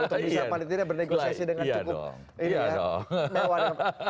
untuk bisa paling tidak bernegosiasi dengan cukup mewah